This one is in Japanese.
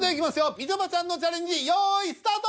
みちょぱちゃんのチャレンジ用意スタート。